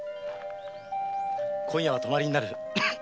今夜は泊まりになる